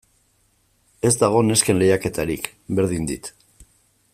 Ez dago nesken lehiaketarik, berdin dit.